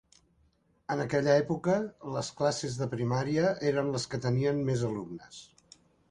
En aquella època, les classes de primària eren les que tenien més alumnes.